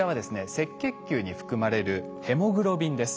赤血球に含まれるヘモグロビンです。